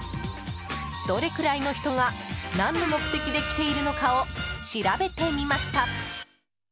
どれぐらいの人が何の目的で来ているのかを調べてみました。